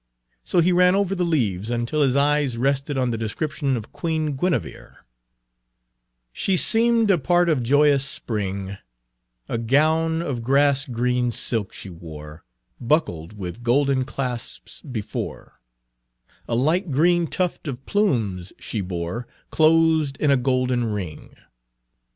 So he ran over the leaves until his eye rested on the description of Queen Guinevere: "She seem'd a part of joyous Spring: A gown of grass green silk she wore, Buckled with golden clasps before; A light green tuft of plumes she bore Closed in a golden ring.